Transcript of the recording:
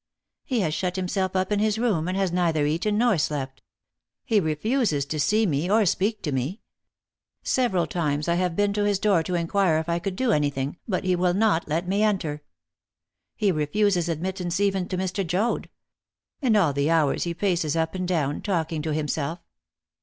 "He has shut himself up in his room, and has neither eaten nor slept. He refuses to see me or speak to me. Several times I have been to his door to inquire if I could do anything, but he will not let me enter. He refuses admittance even to Mr. Joad. And all the hours he paces up and down, talking to himself."